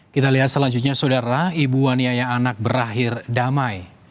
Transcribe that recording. kita lihat selanjutnya saudara ibu aniaya anak berakhir damai